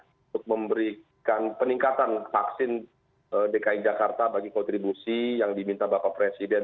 untuk memberikan peningkatan vaksin dki jakarta bagi kontribusi yang diminta bapak presiden